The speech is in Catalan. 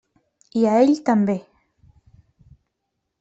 I a ell també.